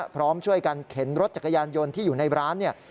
พร้อมช่วยกันเข็นรถจักรยานยนต์ที่อยู่ในร้านเนี่ย